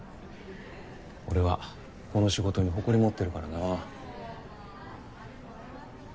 俺はこの仕事に誇り持ってるからな。